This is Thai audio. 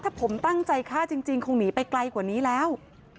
ถ้าผมตั้งใจฆ่าจริงคงหนีไปไกลกว่านี้แล้ว